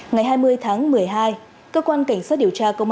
ngày hai mươi tháng một mươi hai cơ quan cảnh sát điều tra công an thành phố tuy hòa